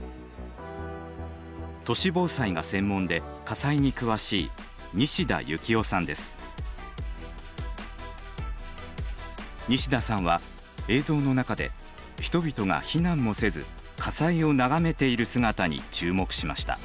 都市防災が専門で火災に詳しい西田さんは映像の中で人々が避難もせず火災を眺めている姿に注目しました。